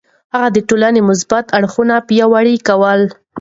هغه د ټولنې مثبت اړخونه پياوړي کول.